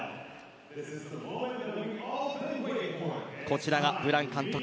こちらがブラン監督。